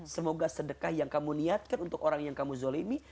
semoga sedekah yang kamu niatkan untuk orang yang kamu zolimi